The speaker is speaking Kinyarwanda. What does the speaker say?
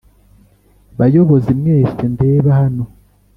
bayobozi mwese ndeba, hano